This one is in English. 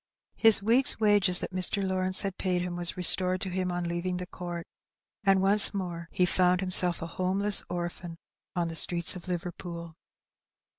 His week's wages that Mr. Lawrence had paid him was restored to him on leaving the court, and once more he found himself a homeless orphan on the streets of Liverpool.